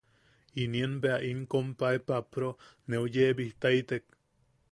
Inien bea in compae Papro neu yeebijtaitek.